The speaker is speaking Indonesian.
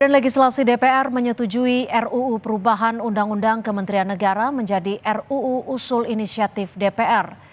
badan legislasi dpr menyetujui ruu perubahan undang undang kementerian negara menjadi ruu usul inisiatif dpr